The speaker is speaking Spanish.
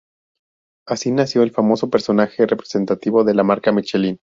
Así nació el famoso personaje representativo de la marca Michelin.